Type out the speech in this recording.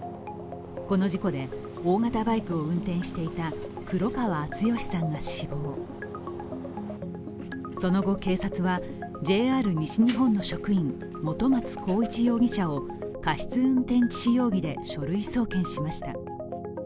この事故で大型バイクを運転していた黒川敦愛さんが死亡その後、警察はＪＲ西日本の職員、本松宏一容疑者を過失運転致死容疑で書類送検しました。